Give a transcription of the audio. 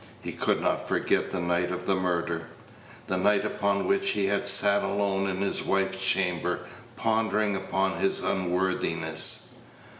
He could not forget the night of the murder the night upon which he had sat alone in his wife's chamber pondering upon his unworthiness.